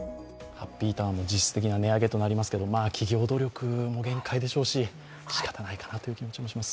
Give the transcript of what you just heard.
ハッピーターンも実質的値上げとなりますし、企業努力も限界でしょうししかたないかなという気持ちもします。